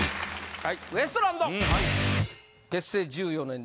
はい。